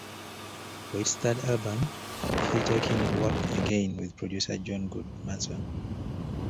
For its third album, Sleater-Kinney worked again with producer John Goodmanson.